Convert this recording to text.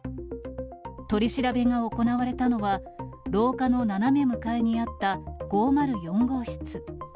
取り調べが行われたのは、廊下の斜め向かいにあった５０４号室。